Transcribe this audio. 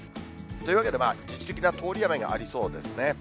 というわけで、一時的な通り雨がありそうですね。